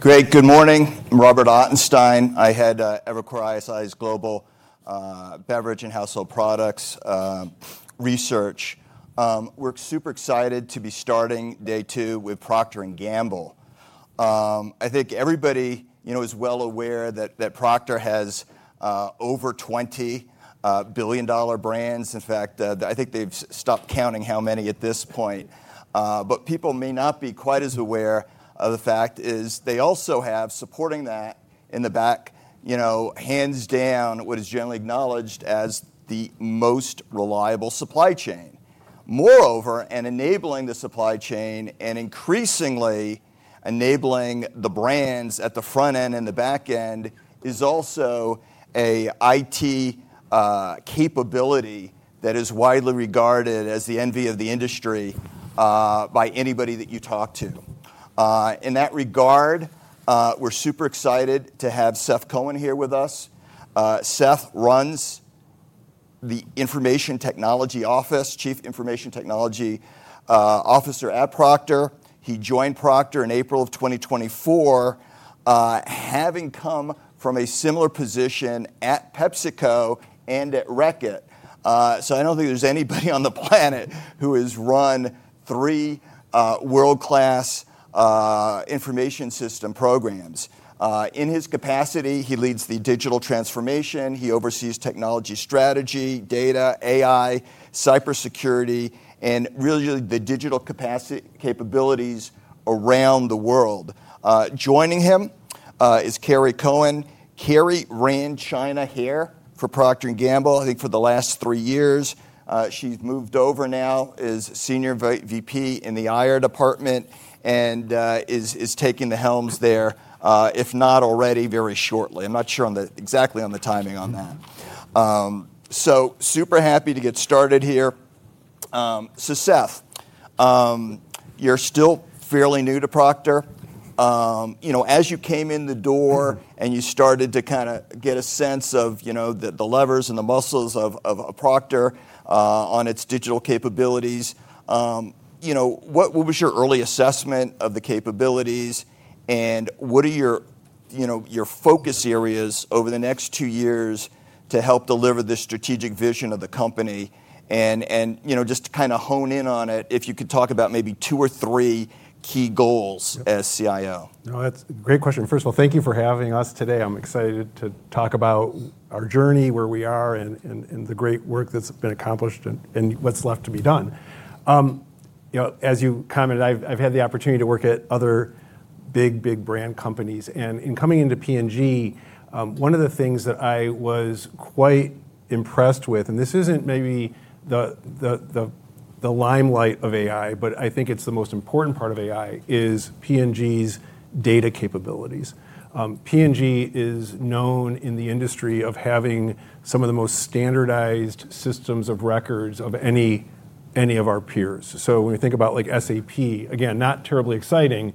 Great. Good morning. I'm Robert Ottenstein. I head Evercore ISI's Global Beverage and Household Products Research. We're super excited to be starting day two with Procter & Gamble. I think everybody is well aware that Procter has over $20 billion brands. In fact, I think they've stopped counting how many at this point. People may not be quite as aware of the fact is they also have supporting that in the back, hands down, what is generally acknowledged as the most reliable supply chain. Moreover, enabling the supply chain, and increasingly enabling the brands at the front end and the back end is also a IT capability that is widely regarded as the envy of the industry by anybody that you talk to. In that regard, we're super excited to have Seth Cohen here with us. Seth runs the Information Technology Office, Chief Information Technology Officer at Procter. He joined Procter in April of 2024, having come from a similar position at PepsiCo and at Reckitt. I don't think there's anybody on the planet who has run three world-class information system programs. In his capacity, he leads the digital transformation, he oversees technology strategy, data, AI, cybersecurity, and really the digital capabilities around the world. Joining him, is Carrie Cohen. Carrie ran China Hair for Procter & Gamble, I think for the last three years. She's moved over now as Senior VP in the IR department and is taking the helms there, if not already very shortly. I'm not sure exactly on the timing on that. Super happy to get started here. Seth, you're still fairly new to Procter. As you came in the door and you started to get a sense of the levers and the muscles of Procter, on its digital capabilities. What was your early assessment of the capabilities and what are your focus areas over the next two years to help deliver the strategic vision of the company? Just to hone in on it, if you could talk about maybe two or three key goals as CIO. No, that's a great question. First of all, thank you for having us today. I'm excited to talk about our journey, where we are, and the great work that's been accomplished and what's left to be done. As you commented, I've had the opportunity to work at other big brand companies, and in coming into P&G, one of the things that I was quite impressed with, and this isn't maybe the limelight of AI, but I think it's the most important part of AI, is P&G's data capabilities. P&G is known in the industry of having some of the most standardized systems of records of any of our peers. When you think about SAP, again, not terribly exciting.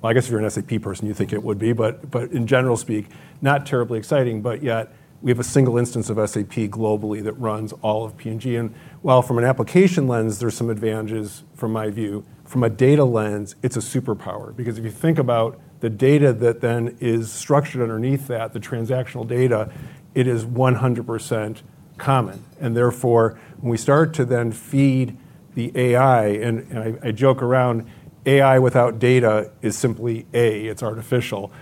Well, I guess if you're an SAP person, you think it would be, but in general speak, not terribly exciting, but yet we have a single instance of SAP globally that runs all of P&G. While from an application lens, there's some advantages from my view, from a data lens, it's a superpower because if you think about the data that then is structured underneath that, the transactional data, it is 100% common. Therefore, when we start to then feed the AI, and I joke around, AI without data is simply A, it's artificial.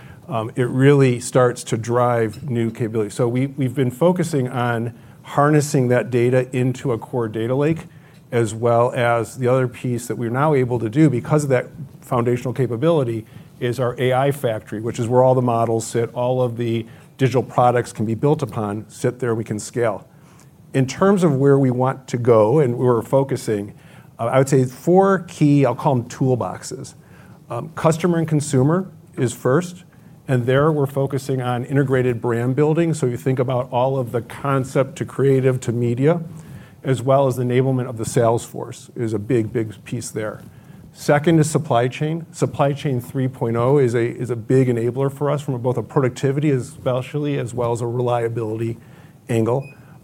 It really starts to drive new capability. We've been focusing on harnessing that data into a core data lake, as well as the other piece that we are now able to do because of that foundational capability is our AI factory, which is where all the models sit, all of the digital products can be built upon, sit there, we can scale. In terms of where we want to go and we're focusing, I would say four key, I'll call them toolboxes. Customer and consumer is first, and there we're focusing on integrated brand building. You think about all of the concept to creative to media, as well as the enablement of the sales force is a big piece there. Second is supply chain. Supply Chain 3.0 is a big enabler for us from both a productivity, especially as well as a reliability angle.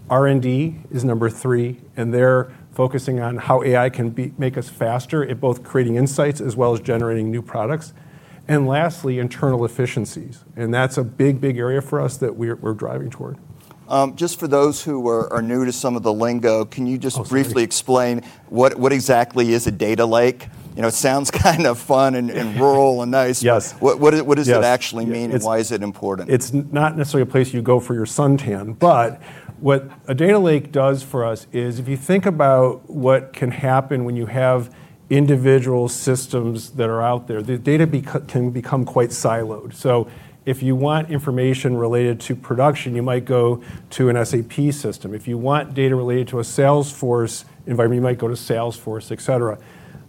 R&D is number three, and they're focusing on how AI can make us faster at both creating insights as well as generating new products. Lastly, internal efficiencies. That's a big area for us that we're driving toward. Just for those who are new to some of the lingo, can you just briefly explain what exactly is a data lake? It sounds kind of fun and rural and nice. What does it actually mean, and why is it important? It's not necessarily a place you go for your suntan, but what a data lake does for us is if you think about what can happen when you have individual systems that are out there, the data can become quite siloed. If you want information related to production, you might go to an SAP system. If you want data related to a Salesforce environment, you might go to Salesforce, et cetera.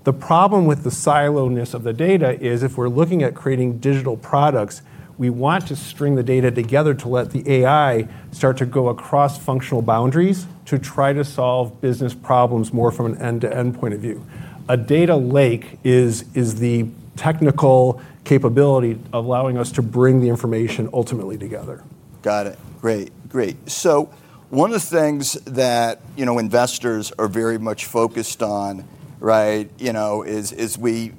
The problem with the siloness of the data is if we're looking at creating digital products, we want to string the data together to let the AI start to go across functional boundaries to try to solve business problems more from an end-to-end point of view. A data lake is the technical capability allowing us to bring the information ultimately together. Got it. Great. One of the things that investors are very much focused on is we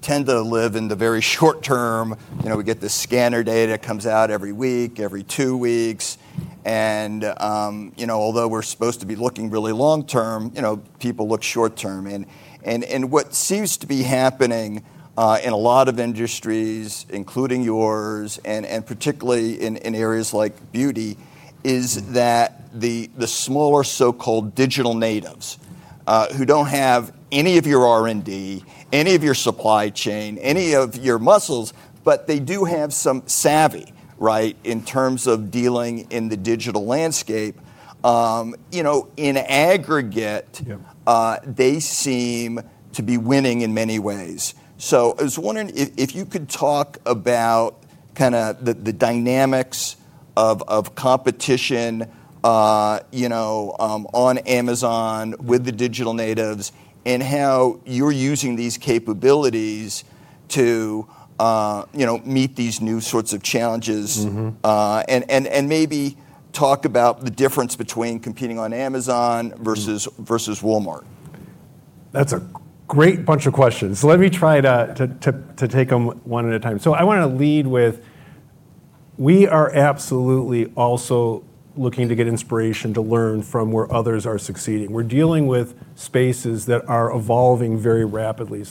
tend to live in the very short term. We get this scanner data comes out every week, every two weeks. Although we're supposed to be looking really long term, people look short term. What seems to be happening in a lot of industries, including yours and particularly in areas like beauty, is that the smaller so-called digital natives who don't have any of your R&D, any of your supply chain, any of your muscles, but they do have some savvy in terms of dealing in the digital landscape. In aggregate they seem to be winning in many ways. I was wondering if you could talk about the dynamics of competition on Amazon with the digital natives and how you're using these capabilities to meet these new sorts of challenges? Maybe talk about the difference between competing on Amazon versus Walmart. That's a great bunch of questions. Let me try to take them one at a time. I want to lead with, we are absolutely also looking to get inspiration to learn from where others are succeeding. We're dealing with spaces that are evolving very rapidly.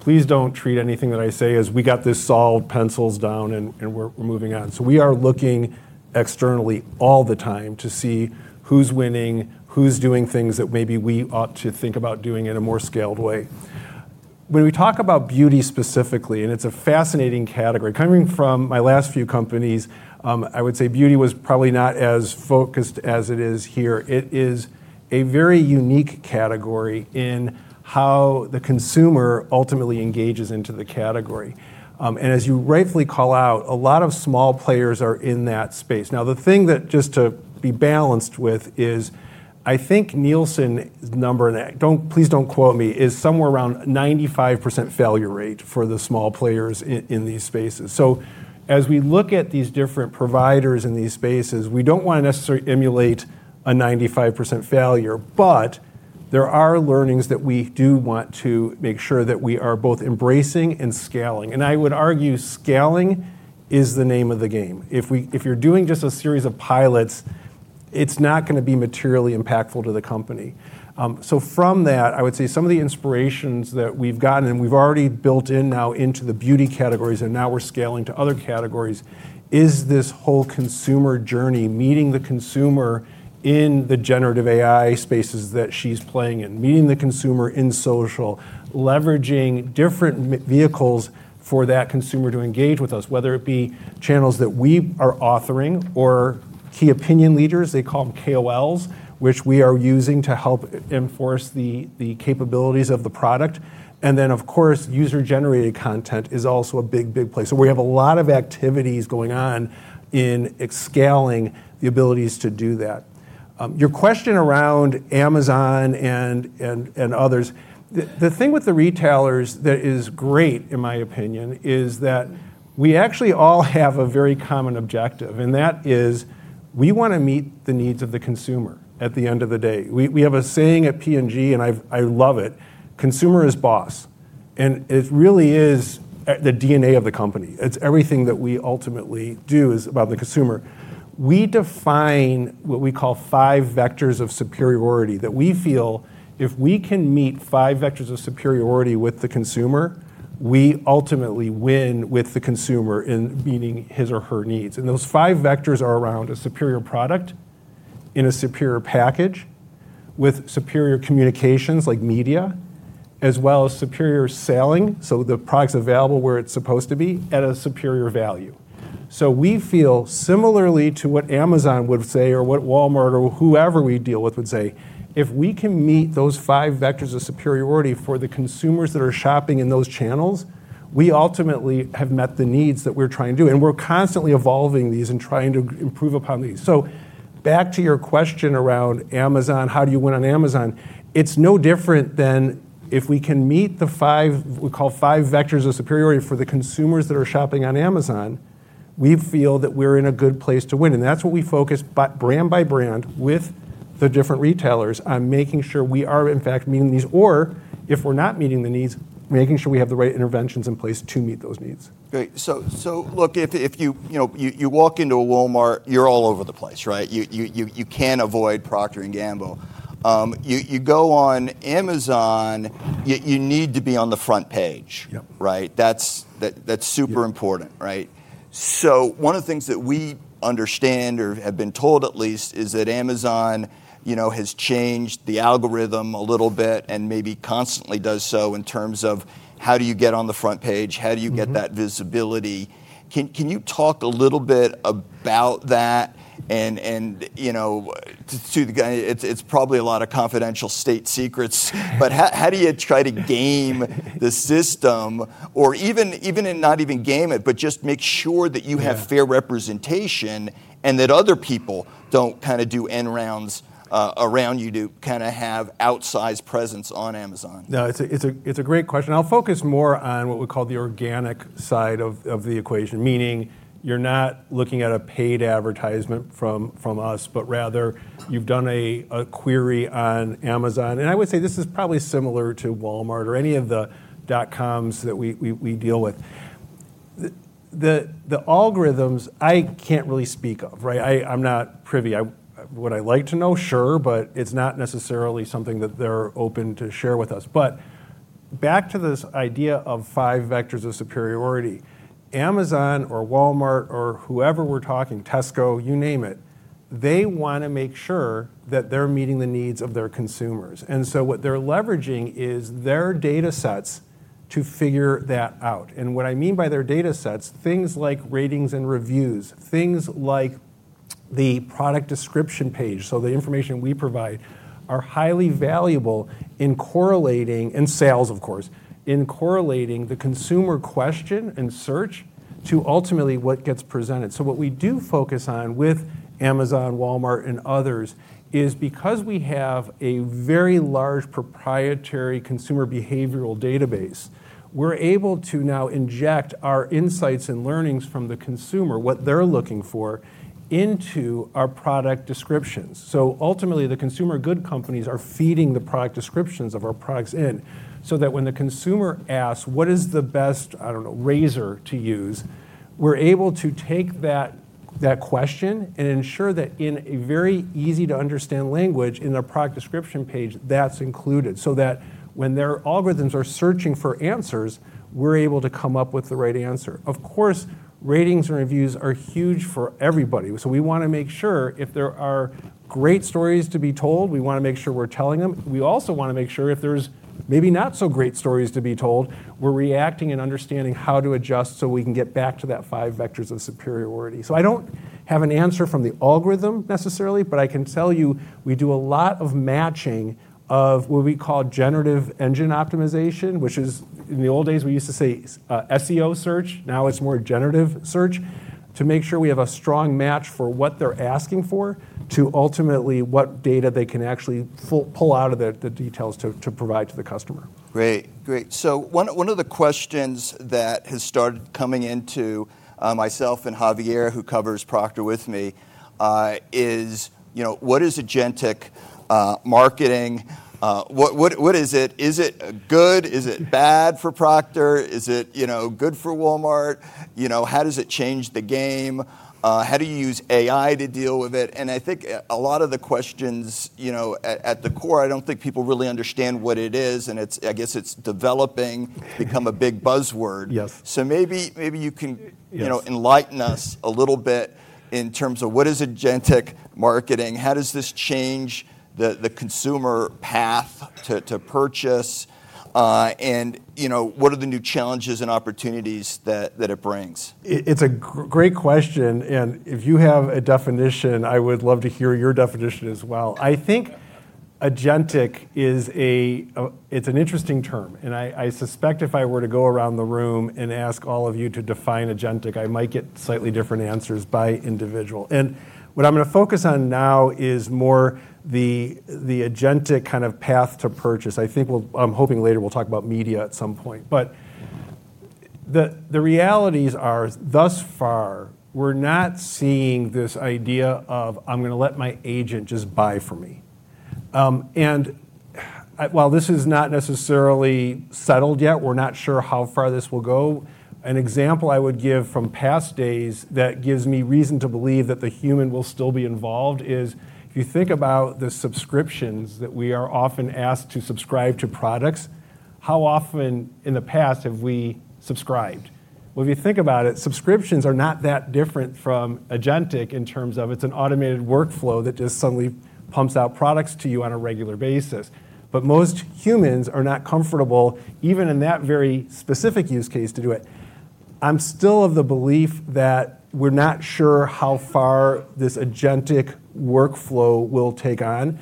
Please don't treat anything that I say as we got this solved, pencils down, and we're moving on. We are looking externally all the time to see who's winning, who's doing things that maybe we ought to think about doing in a more scaled way. When we talk about beauty specifically, and it's a fascinating category. Coming from my last few companies, I would say beauty was probably not as focused as it is here. It is a very unique category in how the consumer ultimately engages into the category. As you rightfully call out, a lot of small players are in that space. Now, the thing that just to be balanced with is I think Nielsen's number, and please don't quote me, is somewhere around 95% failure rate for the small players in these spaces. As we look at these different providers in these spaces, we don't want to necessarily emulate a 95% failure, but there are learnings that we do want to make sure that we are both embracing and scaling. I would argue scaling is the name of the game. If you're doing just a series of pilots, it's not going to be materially impactful to the company. From that, I would say some of the inspirations that we've gotten, and we've already built in now into the beauty categories, and now we're scaling to other categories, is this whole consumer journey, meeting the consumer in the generative AI spaces that she's playing in, meeting the consumer in social, leveraging different vehicles for that consumer to engage with us, whether it be channels that we are authoring or key opinion leaders, they call them KOLs, which we are using to help enforce the capabilities of the product. Then, of course, user-generated content is also a big place. We have a lot of activities going on in scaling the abilities to do that. Your question around Amazon and others, the thing with the retailers that is great, in my opinion, is that we actually all have a very common objective, and that is we want to meet the needs of the consumer at the end of the day. We have a saying at P&G, I love it, consumer is boss. It really is the DNA of the company. It's everything that we ultimately do is about the consumer. We define what we call five vectors of superiority, that we feel if we can meet five vectors of superiority with the consumer, we ultimately win with the consumer in meeting his or her needs. Those five vectors are around a superior product in a superior package with superior communications like media, as well as superior selling, so the product's available where it's supposed to be, at a superior value. We feel similarly to what Amazon would say, or what Walmart or whoever we deal with would say, if we can meet those five vectors of superiority for the consumers that are shopping in those channels, we ultimately have met the needs that we're trying to do, and we're constantly evolving these and trying to improve upon these. Back to your question around Amazon, how do you win on Amazon? It's no different than if we can meet what we call five vectors of superiority for the consumers that are shopping on Amazon, we feel that we're in a good place to win. That's what we focus brand by brand with the different retailers on making sure we are, in fact, meeting these. If we're not meeting the needs, making sure we have the right interventions in place to meet those needs. Great. Look, if you walk into a Walmart, you're all over the place, right? You can't avoid Procter & Gamble. You go on Amazon, you need to be on the front page. Right? That's super important. Yeah. One of the things that we understand or have been told at least, is that Amazon has changed the algorithm a little bit and maybe constantly does so in terms of how do you get on the front page, how do you get that visibility. Can you talk a little bit about that? It's probably a lot of confidential state secrets, but how do you try to game the system or even not even game it, but just make sure that you have fair representation and that other people don't do end rounds around you to have outsized presence on Amazon? No, it's a great question. I'll focus more on what we call the organic side of the equation, meaning you're not looking at a paid advertisement from us, but rather you've done a query on Amazon. I would say this is probably similar to Walmart or any of the dot coms that we deal with. The algorithms I can't really speak of. I'm not privy. Would I like to know? Sure, but it's not necessarily something that they're open to share with us. Back to this idea of five vectors of superiority, Amazon or Walmart or whoever we're talking, Tesco, you name it, they want to make sure that they're meeting the needs of their consumers. What they're leveraging is their data sets to figure that out. What I mean by their data sets, things like ratings and reviews. Things like the product description page. The information we provide are highly valuable in correlating, in sales, of course, in correlating the consumer question and search to ultimately what gets presented. What we do focus on with Amazon, Walmart, and others is because we have a very large proprietary consumer behavioral database, we're able to now inject our insights and learnings from the consumer, what they're looking for, into our product descriptions. Ultimately, the consumer good companies are feeding the product descriptions of our products in, so that when the consumer asks, what is the best, I don't know, razor to use? We're able to take that question and ensure that in a very easy-to-understand language, in their product description page, that's included, so that when their algorithms are searching for answers, we're able to come up with the right answer. Of course, ratings and reviews are huge for everybody. We want to make sure if there are great stories to be told, we want to make sure we're telling them. We also want to make sure if there's maybe not so great stories to be told, we're reacting and understanding how to adjust so we can get back to that five vectors of superiority. I don't have an answer from the algorithm necessarily, but I can tell you we do a lot of matching of what we call Generative Engine Optimization, which is in the old days, we used to say SEO search. Now it's more generative search, to make sure we have a strong match for what they're asking for to ultimately what data they can actually pull out of the details to provide to the customer. Great. One of the questions that has started coming into myself and Javier, who covers Procter with me, is what is agentic marketing? What is it? Is it good? Is it bad for Procter? Is it good for Walmart? How does it change the game? How do you use AI to deal with it? I think a lot of the questions at the core, I don't think people really understand what it is, and I guess it's developing, become a big buzzword. Yes. Maybe you can enlighten us a little bit in terms of what is agentic marketing, how does this change the consumer path to purchase, and what are the new challenges and opportunities that it brings? It's a great question, and if you have a definition, I would love to hear your definition as well. I think agentic, it's an interesting term, and I suspect if I were to go around the room and ask all of you to define agentic, I might get slightly different answers by individual. What I'm going to focus on now is more the agentic kind of path to purchase. I'm hoping later we'll talk about media at some point. The realities are thus far, we're not seeing this idea of I'm going to let my agent just buy for me. While this is not necessarily settled yet, we're not sure how far this will go, an example I would give from past days that gives me reason to believe that the human will still be involved is if you think about the subscriptions that we are often asked to subscribe to products, how often in the past have we subscribed? If you think about it, subscriptions are not that different from agentic in terms of it's an automated workflow that just suddenly pumps out products to you on a regular basis. Most humans are not comfortable, even in that very specific use case, to do it. I'm still of the belief that we're not sure how far this agentic workflow will take on.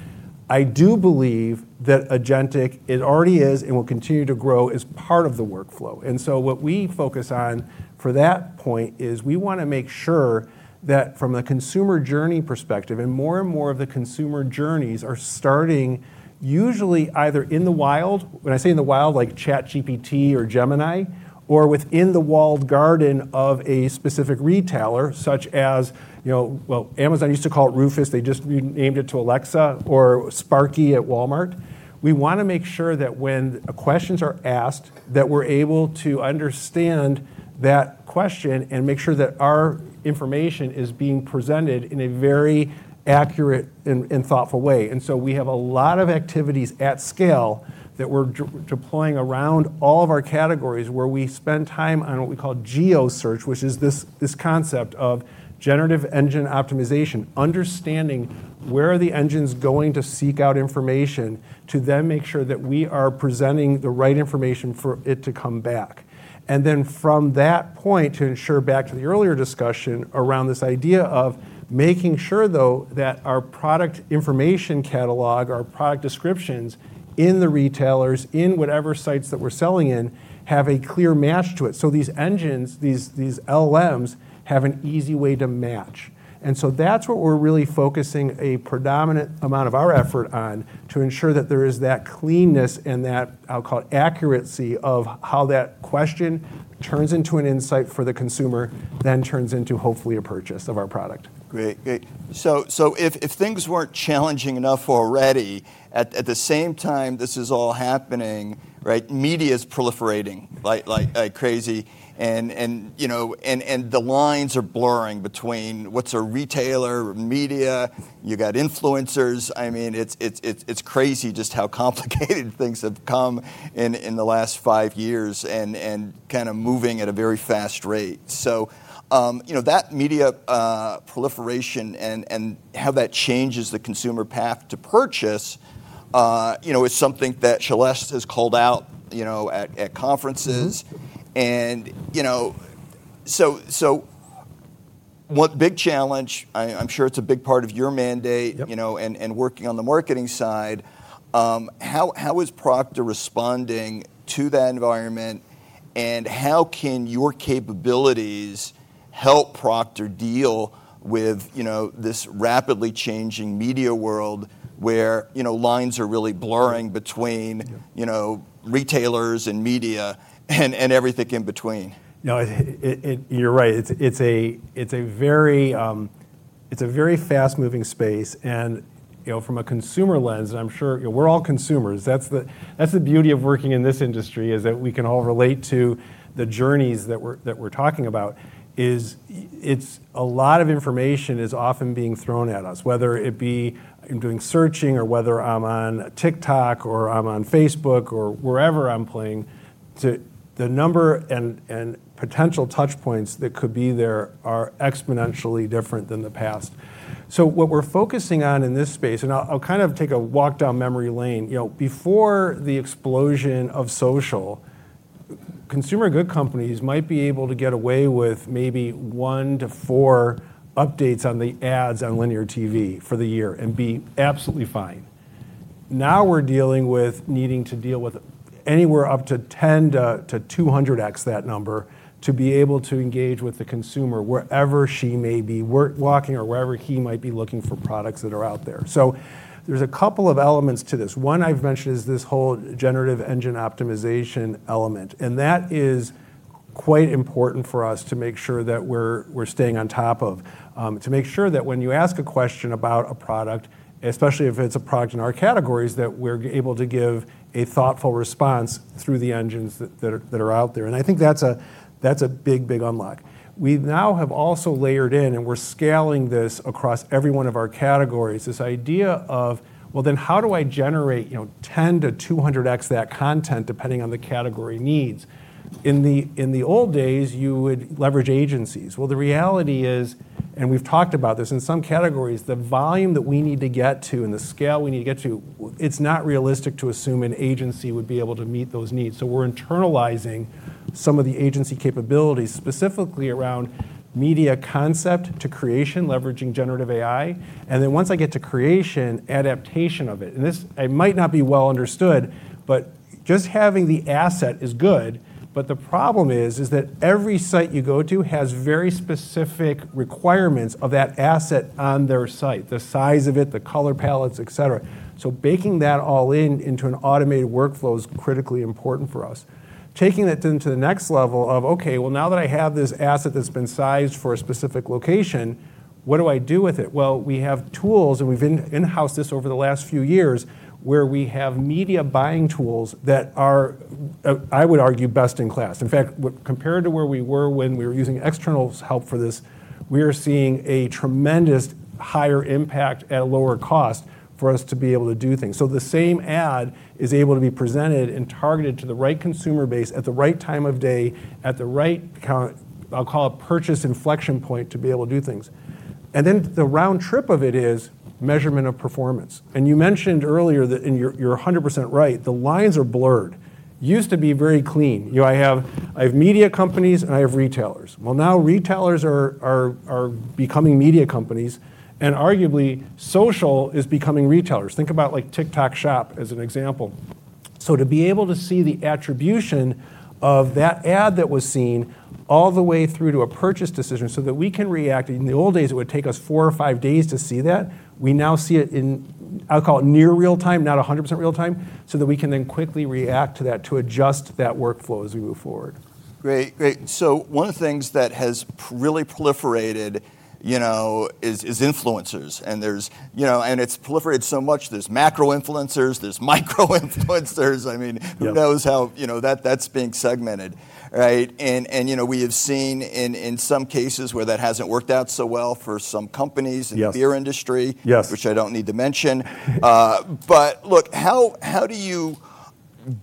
I do believe that agentic, it already is and will continue to grow as part of the workflow. What we focus on for that point is we want to make sure that from a consumer journey perspective, more and more of the consumer journeys are starting usually either in the wild, when I say in the wild, like ChatGPT or Gemini, or within the walled garden of a specific retailer such as, Amazon used to call it Rufus, they just renamed it to Alexa, or Sparky at Walmart. We want to make sure that when questions are asked, that we're able to understand that question and make sure that our information is being presented in a very accurate and thoughtful way. We have a lot of activities at scale that we're deploying around all of our categories, where we spend time on what we call GEO search, which is this concept of Generative Engine Optimization, understanding where are the engines going to seek out information, to then make sure that we are presenting the right information for it to come back. From that point, to ensure back to the earlier discussion around this idea of making sure, though, that our product information catalog, our product descriptions in the retailers, in whatever sites that we're selling in, have a clear match to it. These engines, these LLMs, have an easy way to match. That's what we're really focusing a predominant amount of our effort on, to ensure that there is that cleanness and that, I'll call it accuracy, of how that question turns into an insight for the consumer, then turns into, hopefully, a purchase of our product. Great. If things weren't challenging enough already, at the same time this is all happening, media's proliferating like crazy and the lines are blurring between what's a retailer, media. You got influencers. It's crazy just how complicated things have become in the last five years and kind of moving at a very fast rate. That media proliferation and how that changes the consumer path to purchase. It's something that Shailesh has called out at conferences. One big challenge, I'm sure it's a big part of your mandate. Working on the marketing side, how is Procter responding to that environment, and how can your capabilities help Procter deal with this rapidly changing media world where lines are really blurring between retailers and media and everything in between? You're right. It's a very fast-moving space, and from a consumer lens, and I'm sure we're all consumers, that's the beauty of working in this industry, is that we can all relate to the journeys that we're talking about. It's a lot of information is often being thrown at us, whether it be in doing searching or whether I'm on TikTok or I'm on Facebook or wherever I'm playing, the number and potential touchpoints that could be there are exponentially different than the past. What we're focusing on in this space, and I'll take a walk down memory lane. Before the explosion of social, consumer good companies might be able to get away with maybe one to four updates on the ads on linear TV for the year and be absolutely fine. Now we're dealing with needing to deal with anywhere up to 10x-200x that number, to be able to engage with the consumer wherever she may be work, walking, or wherever he might be looking for products that are out there. There's a couple of elements to this. One I've mentioned is this whole Generative Engine Optimization element, and that is quite important for us to make sure that we're staying on top of. To make sure that when you ask a question about a product, especially if it's a product in our categories, that we're able to give a thoughtful response through the engines that are out there. I think that's a big unlock. We now have also layered in, and we're scaling this across every one of our categories, this idea of, well, then how do I generate 10x-200x that content depending on the category needs? In the old days, you would leverage agencies. The reality is, and we've talked about this, in some categories, the volume that we need to get to and the scale we need to get to, it's not realistic to assume an agency would be able to meet those needs. We're internalizing some of the agency capabilities, specifically around media concept to creation, leveraging generative AI. Then once I get to creation, adaptation of it. This, it might not be well understood, but just having the asset is good, but the problem is that every site you go to has very specific requirements of that asset on their site, the size of it, the color palettes, et cetera. Baking that all in into an automated workflow is critically important for us. Taking it then to the next level of, okay, well, now that I have this asset that's been sized for a specific location, what do I do with it? We have tools, and we've in-housed this over the last few years, where we have media buying tools that are, I would argue, best in class. In fact, compared to where we were when we were using external help for this, we are seeing a tremendous higher impact at a lower cost for us to be able to do things. The same ad is able to be presented and targeted to the right consumer base at the right time of day, at the right, I'll call it, purchase inflection point to be able to do things. The round trip of it is measurement of performance. You mentioned earlier that, and you're 100% right, the lines are blurred. Used to be very clean. I have media companies, and I have retailers. Now retailers are becoming media companies, and arguably social is becoming retailers. Think about TikTok Shop as an example. To be able to see the attribution of that ad that was seen all the way through to a purchase decision so that we can react, in the old days, it would take us four or five days to see that. We now see it in, I'll call it near real-time, not 100% real time, so that we can then quickly react to that to adjust that workflow as we move forward. Great. One of the things that has really proliferated is influencers. It's proliferated so much. There's macro influencers, there's micro influencers who knows how that's being segmented. Right? We have seen in some cases where that hasn't worked out so well for some companies in the beer industry which I don't need to mention. Look, how do you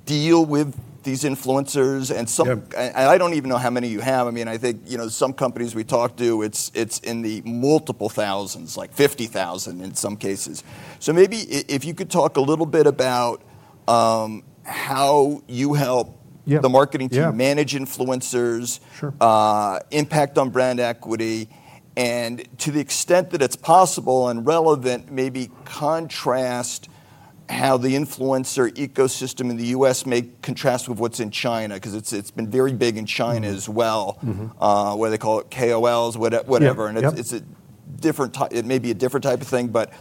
deal with these influencers? I don't even know how many you have. I think, some companies we talk to, it's in the multiple thousands, like 50,000 in some cases. Maybe if you could talk a little bit about how you help the marketing team, manage influencers impact on brand equity, and to the extent that it's possible and relevant, maybe contrast how the influencer ecosystem in the U.S. may contrast with what's in China, because it's been very big in China as well. Whether they call it KOLs, whatever. It may be a different type of thing, but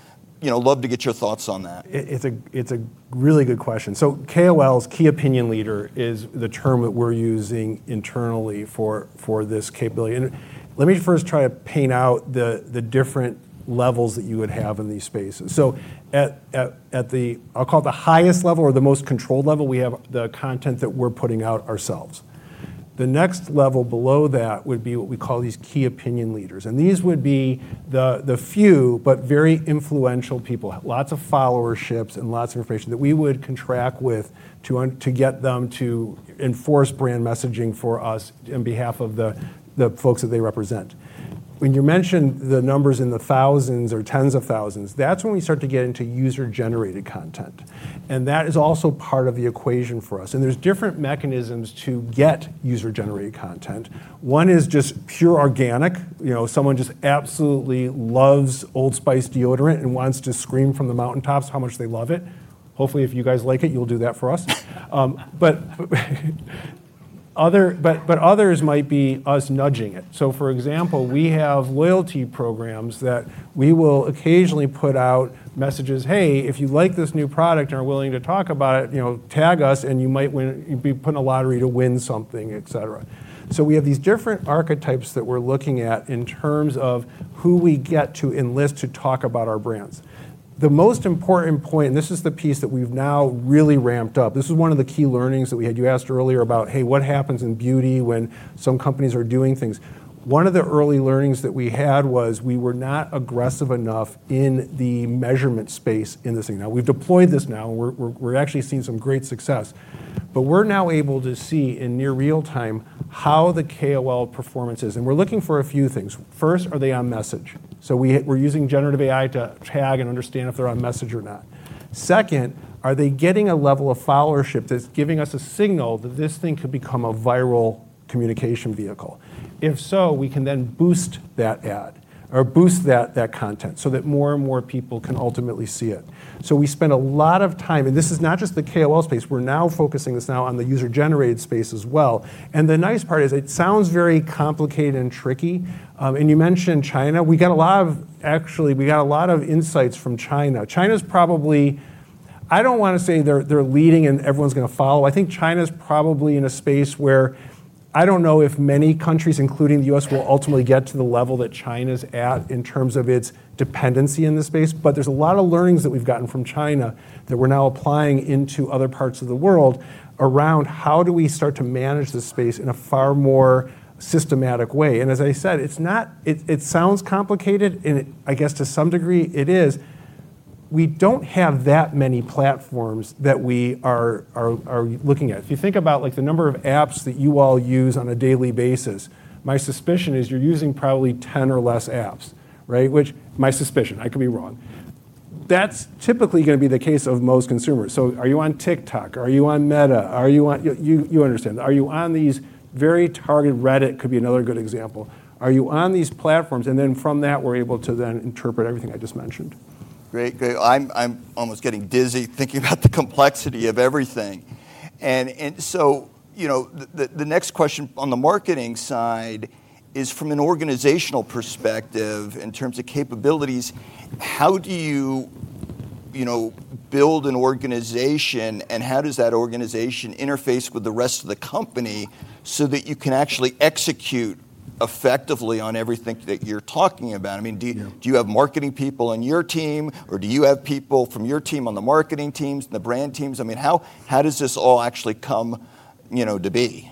love to get your thoughts on that. It's a really good question. KOLs, Key Opinion Leader is the term that we're using internally for this capability. Let me first try to paint out the different levels that you would have in these spaces. At the, I'll call it the highest level or the most controlled level, we have the content that we're putting out ourselves. The next level below that would be what we call these key opinion leaders, and these would be the few, but very influential people, lots of followerships and lots of information, that we would contract with to get them to enforce brand messaging for us in behalf of the folks that they represent. When you mention the numbers in the thousands or 10s of thousands, that's when we start to get into user-generated content, and that is also part of the equation for us. There's different mechanisms to get user-generated content. One is just pure organic. Someone just absolutely loves Old Spice deodorant and wants to scream from the mountaintops how much they love it. Hopefully, if you guys like it, you'll do that for us. Others might be us nudging it. For example, we have loyalty programs that we will occasionally put out messages, hey, if you like this new product and are willing to talk about it, tag us and you might be put in a lottery to win something, et cetera. We have these different archetypes that we're looking at in terms of who we get to enlist to talk about our brands. The most important point, this is the piece that we've now really ramped up. This is one of the key learnings that we had. You asked earlier about, hey, what happens in beauty when some companies are doing things? One of the early learnings that we had was we were not aggressive enough in the measurement space in this thing. We've deployed this now, we're actually seeing some great success. We're now able to see in near real-time how the KOL performance is. We're looking for a few things. First, are they on message? We're using generative AI to tag and understand if they're on message or not. Second, are they getting a level of followership that's giving us a signal that this thing could become a viral communication vehicle? If so, we can then boost that ad or boost that content so that more and more people can ultimately see it. We spend a lot of time, this is not just the KOL space. We're now focusing this now on the user-generated space as well. The nice part is it sounds very complicated and tricky. You mentioned China. Actually, we got a lot of insights from China. I don't want to say they're leading and everyone's going to follow. I think China's probably in a space where I don't know if many countries, including the U.S., will ultimately get to the level that China's at in terms of its dependency in the space. There's a lot of learnings that we've gotten from China that we're now applying into other parts of the world around how do we start to manage this space in a far more systematic way. As I said, it sounds complicated, and I guess to some degree it is. We don't have that many platforms that we are looking at. If you think about the number of apps that you all use on a daily basis, my suspicion is you're using probably 10 or less apps, right? Which my suspicion, I could be wrong. That's typically going to be the case of most consumers. Are you on TikTok? Are you on Meta? You understand. Are you on these very targeted Reddit could be another good example. Are you on these platforms? From that, we're able to then interpret everything I just mentioned. Great. I'm almost getting dizzy thinking about the complexity of everything. The next question on the marketing side is from an organizational perspective in terms of capabilities, how do you build an organization, and how does that organization interface with the rest of the company so that you can actually execute effectively on everything that you're talking about? Do you have marketing people on your team, or do you have people from your team on the marketing teams and the brand teams? How does this all actually come to be?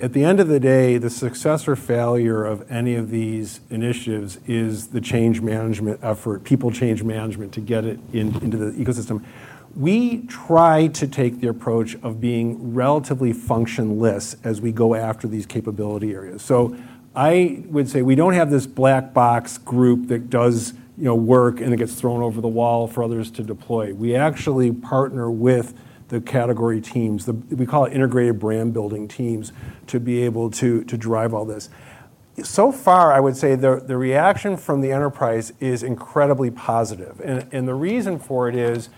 At the end of the day, the success or failure of any of these initiatives is the change management effort, people change management to get it into the ecosystem. We try to take the approach of being relatively functionless as we go after these capability areas. I would say we don't have this black box group that does work, and it gets thrown over the wall for others to deploy. We actually partner with the category teams, we call it integrated brand-building teams, to be able to drive all this. Far, I would say the reaction from the enterprise is incredibly positive. The reason for it is,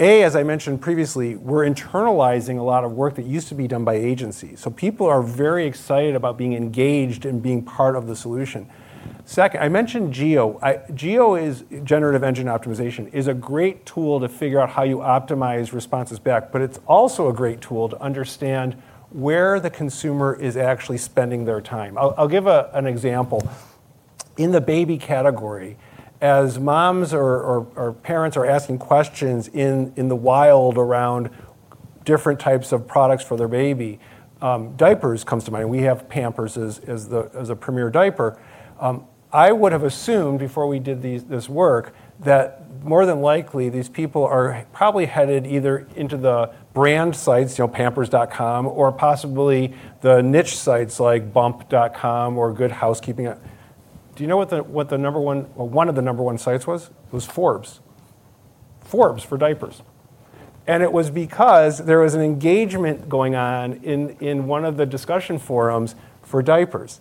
A, as I mentioned previously, we're internalizing a lot of work that used to be done by agencies. People are very excited about being engaged and being part of the solution. Second, I mentioned GEO. GEO is Generative Engine Optimization, is a great tool to figure out how you optimize responses back, but it's also a great tool to understand where the consumer is actually spending their time. I'll give an example. In the baby category, as moms or parents are asking questions in the wild around different types of products for their baby, diapers comes to mind. We have Pampers as the premier diaper. I would have assumed before we did this work that more than likely these people are probably headed either into the brand sites, pampers.com, or possibly the niche sites like bump.com or Good Housekeeping. Do you know what one of the number one sites was? Was Forbes. Forbes for diapers. It was because there was an engagement going on in one of the discussion forums for diapers.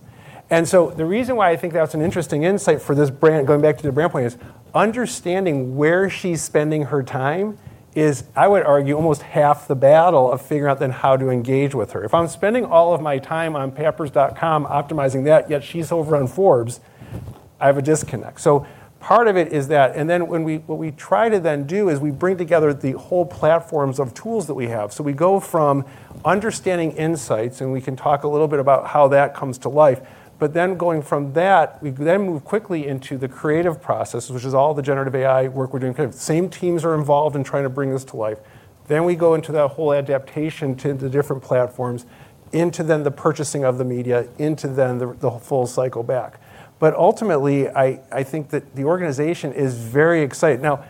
The reason why I think that's an interesting insight for this brand, going back to the brand point, is understanding where she's spending her time is, I would argue, almost half the battle of figuring out how to engage with her. If I'm spending all of my time on pampers.com optimizing that, yet she's over on Forbes, I have a disconnect. Part of it is that. What we try to do is we bring together the whole platforms of tools that we have. We go from understanding insights, and we can talk a little bit about how that comes to life. Going from that, we move quickly into the creative process, which is all the generative AI work we're doing. Same teams are involved in trying to bring this to life. We go into that whole adaptation to the different platforms, into the purchasing of the media, into the full cycle back. Ultimately, I think that the organization is very excited. Now,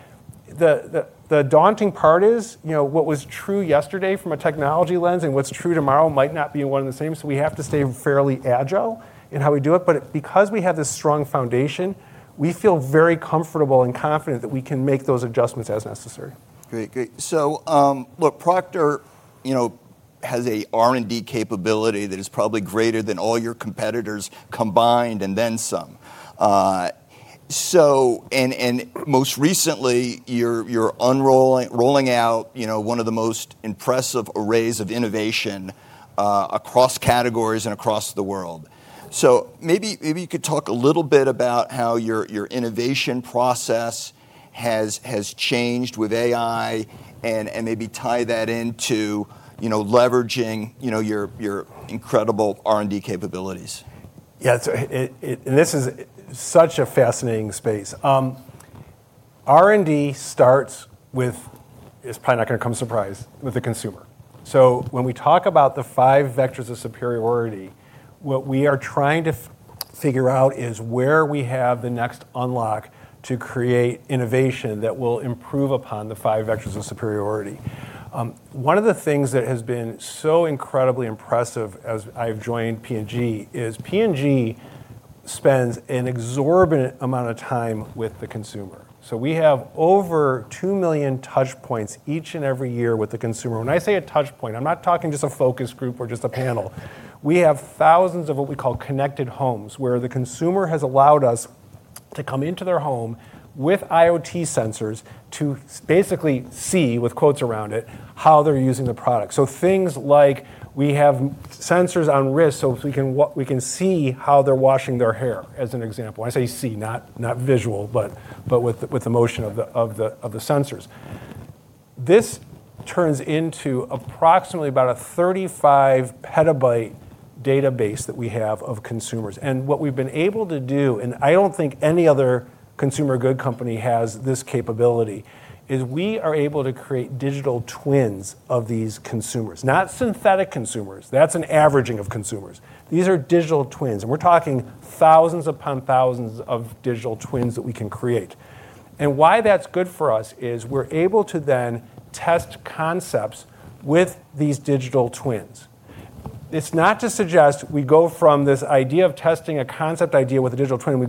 the daunting part is what was true yesterday from a technology lens and what's true tomorrow might not be one and the same. We have to stay fairly agile in how we do it. Because we have this strong foundation, we feel very comfortable and confident that we can make those adjustments as necessary. Great. Look, Procter has a R&D capability that is probably greater than all your competitors combined, and then some. Most recently, you're rolling out one of the most impressive arrays of innovation across categories and across the world. Maybe you could talk a little bit about how your innovation process has changed with AI and maybe tie that into leveraging your incredible R&D capabilities. Yeah. This is such a fascinating space. R&D starts with, it's probably not going to come as a surprise, with the consumer. When we talk about the five vectors of superiority, what we are trying to figure out is where we have the next unlock to create innovation that will improve upon the five vectors of superiority. One of the things that has been so incredibly impressive as I've joined P&G is P&G spends an exorbitant amount of time with the consumer. We have over 2 million touch points each and every year with the consumer. When I say a touch point, I'm not talking just a focus group or just a panel. We have thousands of what we call connected homes, where the consumer has allowed us to come into their home with IoT sensors to basically see, with quotes around it, how they're using the product. Things like we have sensors on wrists, so we can see how they're washing their hair, as an example. When I say see, not visual, but with the motion of the sensors. This turns into approximately about a 35 PB database that we have of consumers. What we've been able to do, I don't think any other consumer good company has this capability, is we are able to create digital twins of these consumers. Not synthetic consumers. That's an averaging of consumers. These are digital twins, we're talking thousands upon thousands of digital twins that we can create. Why that's good for us is we're able to then test concepts with these digital twins. It's not to suggest we go from this idea of testing a concept idea with a digital twin,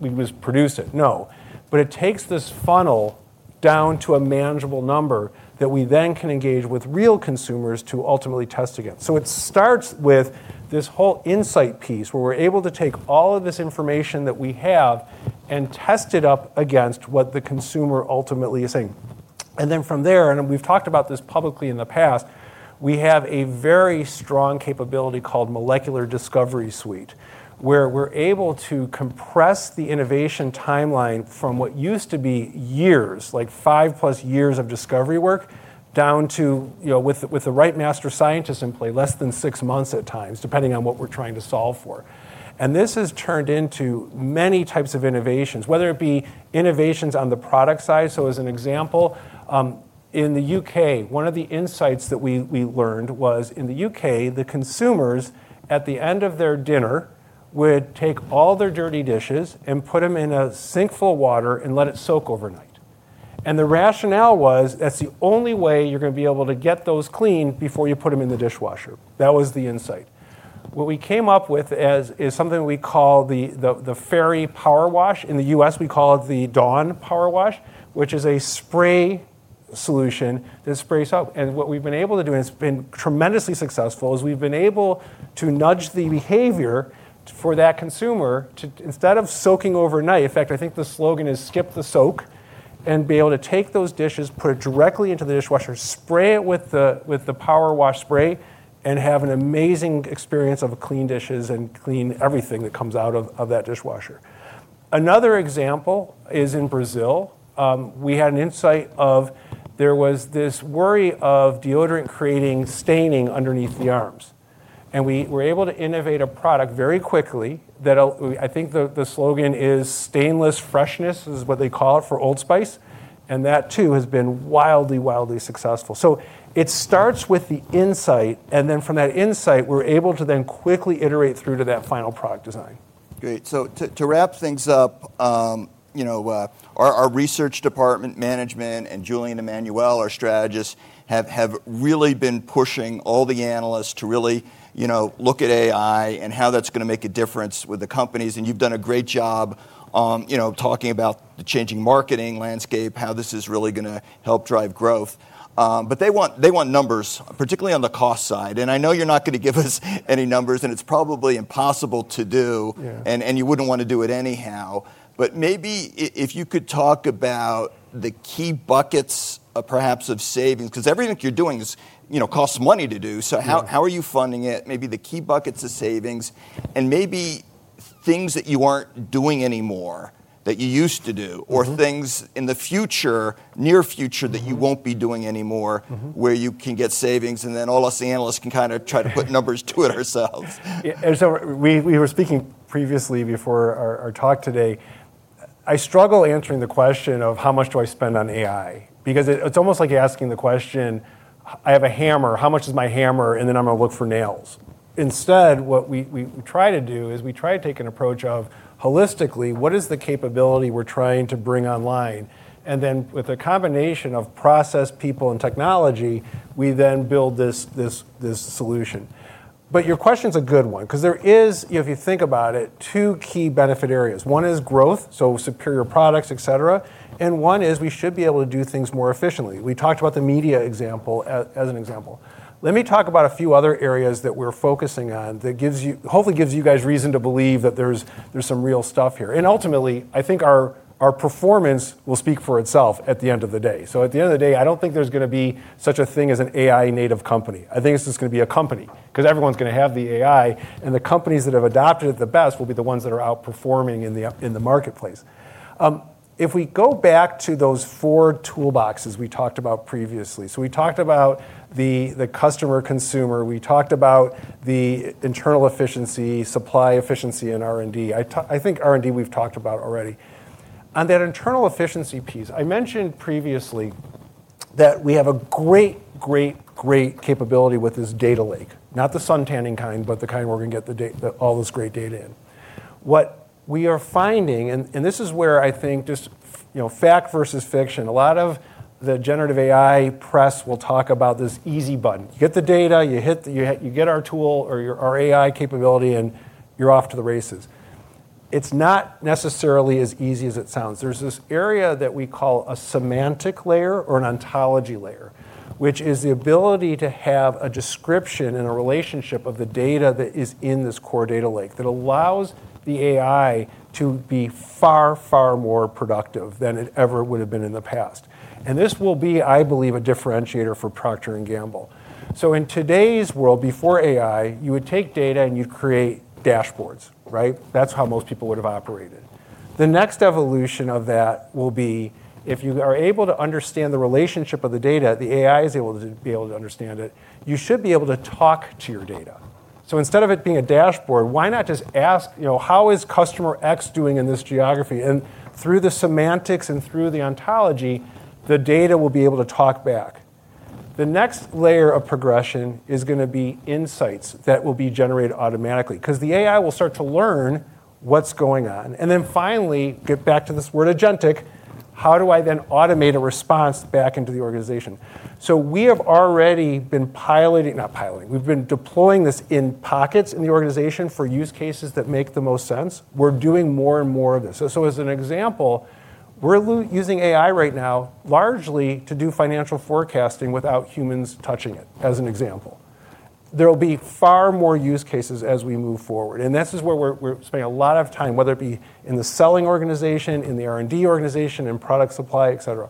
we produce it, no. It takes this funnel down to a manageable number that we then can engage with real consumers to ultimately test against. It starts with this whole insight piece, where we're able to take all of this information that we have and test it up against what the consumer ultimately is saying. From there, we've talked about this publicly in the past, we have a very strong capability called Molecular Discovery Suite, where we're able to compress the innovation timeline from what used to be years, like five-plus years of discovery work, down to, with the right master scientists in play, less than six months at times, depending on what we're trying to solve for. This has turned into many types of innovations, whether it be innovations on the product side. As an example, in the U.K., one of the insights that we learned was in the U.K., the consumers at the end of their dinner would take all their dirty dishes and put them in a sink full of water and let it soak overnight. The rationale was that's the only way you're going to be able to get those clean before you put them in the dishwasher. That was the insight. What we came up with is something we call the Fairy Power Spray. In the U.S., we call it the Dawn Powerwash, which is a spray solution that sprays out. What we've been able to do, it's been tremendously successful, is we've been able to nudge the behavior for that consumer to, instead of soaking overnight, in fact, I think the slogan is Skip the soak, be able to take those dishes, put it directly into the dishwasher, spray it with the power wash spray, have an amazing experience of clean dishes and clean everything that comes out of that dishwasher. Another example is in Brazil. We had an insight of there was this worry of deodorant creating staining underneath the arms. We were able to innovate a product very quickly that I think the slogan is Stainless freshness is what they call it for Old Spice. That too has been wildly successful. It starts with the insight, from that insight, we're able to then quickly iterate through to that final product design. Great. To wrap things up, our research department management and Julian Emanuel, our strategist, have really been pushing all the analysts to really look at AI and how that's going to make a difference with the companies, you've done a great job talking about the changing marketing landscape, how this is really going to help drive growth. They want numbers, particularly on the cost side. I know you're not going to give us any numbers, it's probably impossible to do. Yeah. You wouldn't want to do it anyhow. Maybe if you could talk about the key buckets perhaps of savings, because everything you're doing costs money to do. Yeah. How are you funding it? Maybe the key buckets of savings, maybe things that you aren't doing anymore that you used to do. Things in the future, near future- that you won't be doing anymore- where you can get savings, and then all us analysts can kind of try to put numbers to it ourselves. Yeah. We were speaking previously before our talk today. I struggle answering the question of how much do I spend on AI? Because it's almost like asking the question I have a hammer, how much is my hammer? I'm going to look for nails. Instead, what we try to do is we try to take an approach of holistically, what is the capability we're trying to bring online? with a combination of process, people, and technology, we then build this solution. Your question's a good one, because there is, if you think about it, two key benefit areas. One is growth, so superior products, et cetera, and one is we should be able to do things more efficiently. We talked about the media example as an example. Let me talk about a few other areas that we're focusing on that hopefully gives you guys reason to believe that there's some real stuff here. Ultimately, I think our performance will speak for itself at the end of the day. At the end of the day, I don't think there's going to be such a thing as an AI native company. I think it's just going to be a company, because everyone's going to have the AI, and the companies that have adopted it the best will be the ones that are outperforming in the marketplace. If we go back to those four toolboxes we talked about previously, so we talked about the customer consumer, we talked about the internal efficiency, supply efficiency, and R&D. I think R&D we've talked about already. On that internal efficiency piece, I mentioned previously that we have a great capability with this data lake, not the suntanning kind, but the kind where we can get all this great data in. What we are finding, and this is where I think just fact versus fiction, a lot of the generative AI press will talk about this easy button. You get the data, you get our tool or our AI capability, and you're off to the races. It's not necessarily as easy as it sounds. There's this area that we call a semantic layer or an ontology layer, which is the ability to have a description and a relationship of the data that is in this core data lake that allows the AI to be far more productive than it ever would've been in the past. This will be, I believe, a differentiator for Procter & Gamble. In today's world, before AI, you would take data and you'd create dashboards, right? That's how most people would've operated. The next evolution of that will be if you are able to understand the relationship of the data, the AI is able to be able to understand it, you should be able to talk to your data. So instead of it being a dashboard, why not just ask, how is customer X doing in this geography? And through the semantics and through the ontology, the data will be able to talk back. The next layer of progression is going to be insights that will be generated automatically, because the AI will start to learn what's going on. And then finally, get back to this word agentic, how do I then automate a response back into the organization? We have already been deploying this in pockets in the organization for use cases that make the most sense. We're doing more and more of this. As an example, we're using AI right now largely to do financial forecasting without humans touching it, as an example. There'll be far more use cases as we move forward, and this is where we're spending a lot of time, whether it be in the selling organization, in the R&D organization, in product supply, et cetera.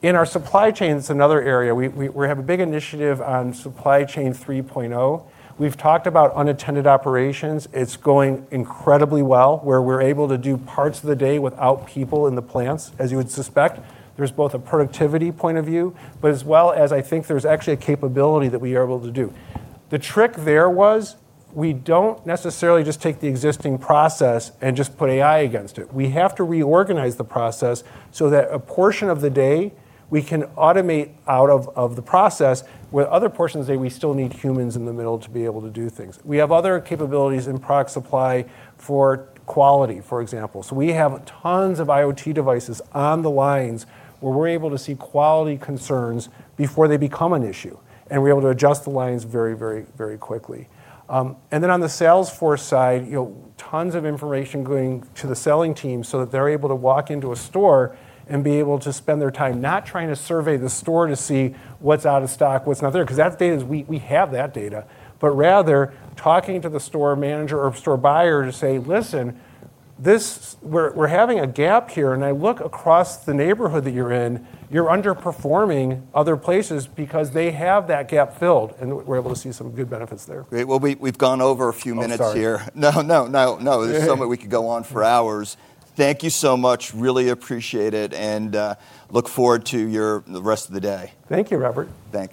In our supply chain, it's another area. We have a big initiative on Supply Chain 3.0. We've talked about unattended operations. It's going incredibly well, where we're able to do parts of the day without people in the plants, as you would suspect. There's both a productivity point of view, but as well as I think there's actually a capability that we are able to do. The trick there was, we don't necessarily just take the existing process and just put AI against it. We have to reorganize the process so that a portion of the day, we can automate out of the process, where other portions of the day, we still need humans in the middle to be able to do things. We have other capabilities in product supply for quality, for example. We have tons of IoT devices on the lines where we're able to see quality concerns before they become an issue, and we're able to adjust the lines very quickly. On the sales floor side, tons of information going to the selling team so that they're able to walk into a store and be able to spend their time not trying to survey the store to see what's out of stock, what's not there, because we have that data. Rather, talking to the store manager or store buyer to say, listen, we're having a gap here, and I look across the neighborhood that you're in, you're underperforming other places because they have that gap filled. We're able to see some good benefits there. Great. Well, we've gone over a few minutes here. Oh, sorry. No. There's so much we could go on for hours. Thank you so much. I really appreciate it, and look forward to the rest of the day. Thank you, Robert.